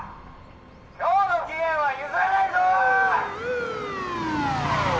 今日の期限は譲らないぞ！